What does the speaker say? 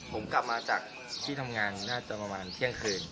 ผมกลับมาจากที่ทำงานน่าจะประมาณเที่ยงคืน